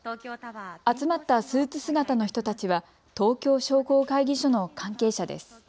集まったスーツ姿の人たちは東京商工会議所の関係者です。